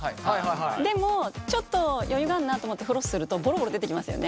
でもちょっと余裕があるなと思ってフロスするとボロボロ出てきますよね？